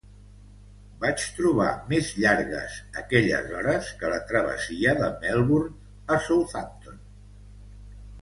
Vaig trobar més llargues aquelles hores que la travessia de Melbourne a Southampton.